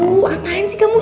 ampuh amahin sih kamu